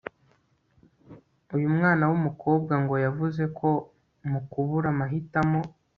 uyu mwana w'umukobwa ngo yavuze ko mu kubura amahitamo